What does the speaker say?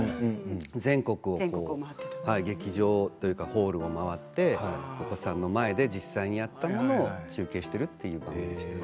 全国を回って劇場、ホールを回ってお子さんの前で実際にやったものを中継しているという感じですね。